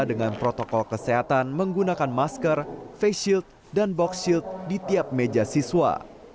dengan protokol kesehatan menggunakan masker face shield dan box shield di tiap meja siswa